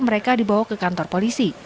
mereka dibawa ke kantor polisi